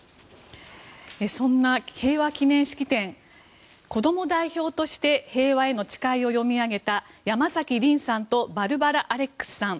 そんな平和記念式典こども代表として「平和への誓い」を読み上げた山崎鈴さんとバルバラ・アレックスさん。